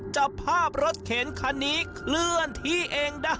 จับภาพรถเข็นคันนี้เคลื่อนที่เองได้